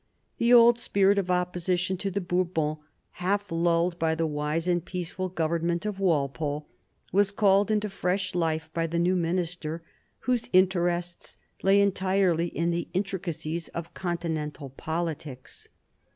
The old spirit of opposition to the Bourbons, half lulled by the wise and peaceful government of Walpole, was called into fresh life by the new minister, whose interests lay entirely in the intricacies of continental politics.